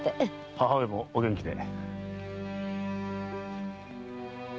母上もお元気で。